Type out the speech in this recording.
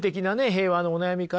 平和のお悩みまで